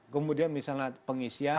kemudian misalnya pengisiannya